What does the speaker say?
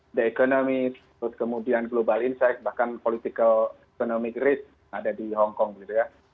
ada ekonomi terus kemudian global insight bahkan political economic risk ada di hongkong gitu ya